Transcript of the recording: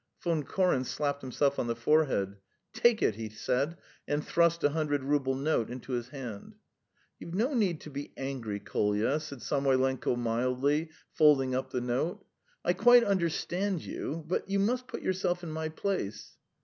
Von Koren slapped himself on the forehead. "Take it," he said, and thrust a hundred rouble note into his hand. "You've no need to be angry, Kolya," said Samoylenko mildly, folding up the note. "I quite understand you, but ... you must put yourself in my place."